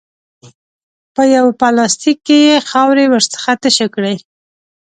په یوه پلاستیک کې یې خاورې ورڅخه تشې کړې.